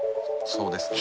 そうですね。